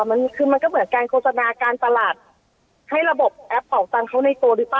มันคือมันก็เหมือนการโฆษณาการตลาดให้ระบบแอปเป่าตังค์เขาในตัวหรือเปล่า